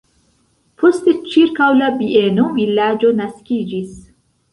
Poste ĉirkaŭ la bieno vilaĝo naskiĝis.